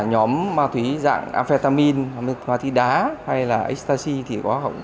nhóm ma túy dạng amphetamine ma túy đá hay là ecstasy thì có